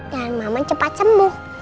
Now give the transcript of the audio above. dan mama cepat sembuh